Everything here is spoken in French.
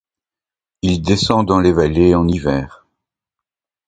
Il descend dans les vallées en hiver.